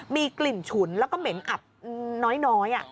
มีกลิ่นฉุนแล้วก็เหม็นอับน้อย